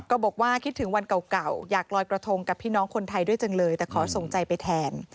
ก็บอกว่าคิดถึงวันเก่าอยากลอยกระทงกับพี่น้องคนไทยด้วยจังเลยแต่ขอส่งใจไปแทน